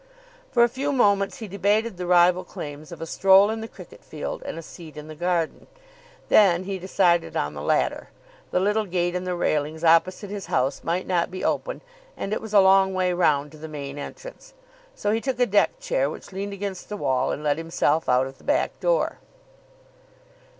For a few moments he debated the rival claims of a stroll in the cricket field and a seat in the garden. Then he decided on the latter. The little gate in the railings opposite his house might not be open, and it was a long way round to the main entrance. So he took a deck chair which leaned against the wall, and let himself out of the back door.